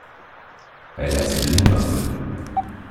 Elle a assez de nous, parbleu!